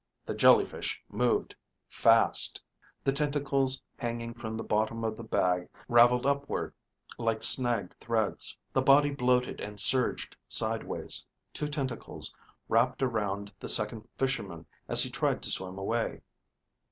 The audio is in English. The jellyfish moved, fast. The tentacles hanging from the bottom of the bag raveled upward like snagged threads. The body bloated and surged sideways. Two tentacles wrapped around the Second Fisherman as he tried to swim away.